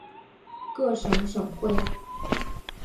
各省省会。